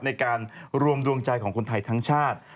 ในการรวมดวงใจของคนไทยทั้งชาติ